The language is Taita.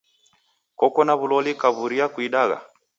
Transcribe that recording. Koko na w'uloli kukaw'uria kuidagha?